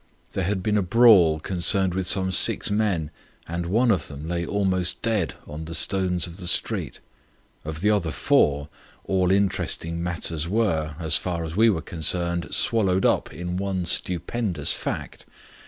There had been a brawl concerned with some six men, and one of them lay almost dead on the stones of the street. Of the other four, all interesting matters were, as far as we were concerned, swallowed up in one stupendous fact.